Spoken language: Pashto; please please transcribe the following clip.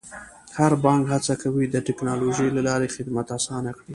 هر بانک هڅه کوي د ټکنالوژۍ له لارې خدمات اسانه کړي.